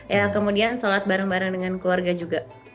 ya kemudian sholat bareng bareng dengan keluarga juga